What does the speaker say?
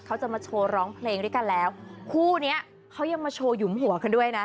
เขายังมาโชว์หยุมหัวกันด้วยนะ